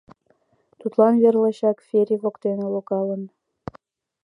Тудлан вер лачак Фери воктене логалын.